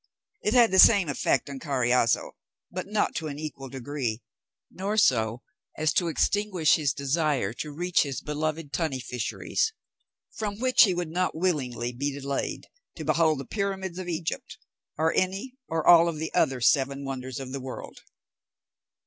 It had the same effect on Carriazo, but not to an equal degree, nor so as to extinguish his desire to reach his beloved tunny fisheries, from which he would not willingly be delayed to behold the pyramids of Egypt, or any or all of the other seven wonders of the world.